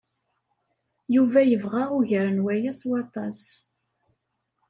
Yuba yebɣa ugar n waya s waṭas.